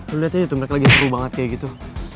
lo liat aja tuh mereka lagi seru banget kayak gitu